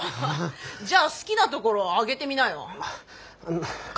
じゃあ好きなところ挙げてみなよ。